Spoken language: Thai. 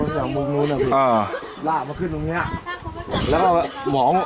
จากมุมนู้นนะพี่อ่าลากมาขึ้นตรงเนี้ยแล้วก็หมอง